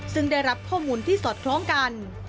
ซึ่งได้รับข้อมูลที่สอดคล้องกัน